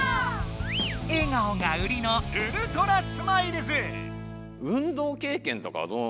えがおが売りのウルトラスマイルズ！